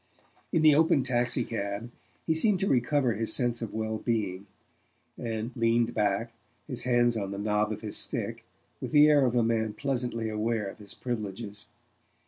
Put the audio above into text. In the open taxi cab he seemed to recover his sense of well being, and leaned back, his hands on the knob of his stick, with the air of a man pleasantly aware of his privileges.